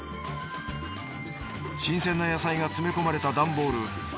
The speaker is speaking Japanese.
新鮮な野菜が詰め込まれたダンボール。